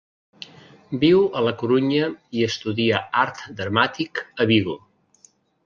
Viu a la Corunya i estudia Art dramàtic a Vigo.